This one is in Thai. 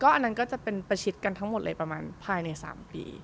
อันนั้นก็จะเป็นประชิดกันทั้งหมดเลยประมาณภายใน๓ปี